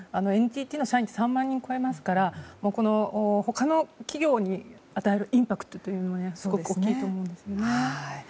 ＮＴＴの社員って３万人を超えますから他の企業に与えるインパクトがすごく大きいと思いますね。